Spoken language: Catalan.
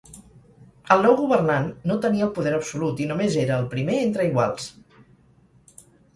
El nou governant no tenia el poder absolut i només era el primer entre iguals.